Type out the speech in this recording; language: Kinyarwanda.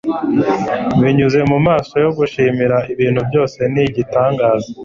binyuze mu maso yo gushimira, ibintu byose ni igitangaza